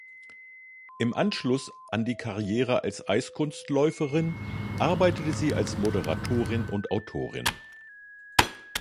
Im Anschluss an die Karriere als Eiskunstläuferin arbeitete sie als Moderatorin und Autorin.